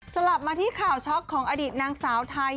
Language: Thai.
กลับมาที่ข่าวช็อกของอดีตนางสาวไทย